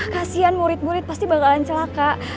kasian murid murid pasti bakalan celaka